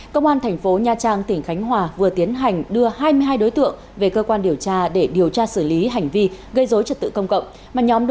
công an thành phố nha trang tỉnh khánh hòa vừa tiến hành đưa hai mươi hai đối tượng về cơ quan điều tra để điều tra xử lý hành vi gây dối trật tự công cộng